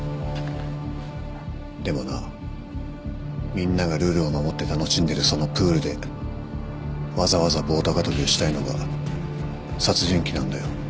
でもなみんながルールを守って楽しんでるそのプールでわざわざ棒高跳びをしたいのが殺人鬼なんだよ。